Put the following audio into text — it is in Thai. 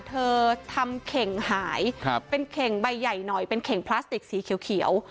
เธอทำเข่งหายเป็นเข่งใบใหญ่หน่อยเป็นเข่งพลาสติกสีเขียว